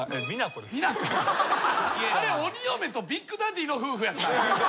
あれ鬼嫁とビッグダディの夫婦やったんや。